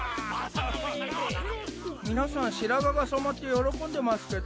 皆さん白髪が染まって喜んでますけど？